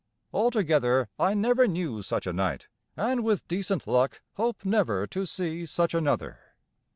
Altogether I never knew such a night, and with decent luck hope never to see such another.